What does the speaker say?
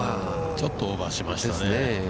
◆ちょっとオーバーしましたね。